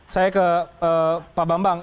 saya ke pak bambang